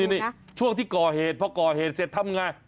นี่นี่นี่ช่วงที่ก่อเหตุเพราะก่อเหตุเสร็จทำงาน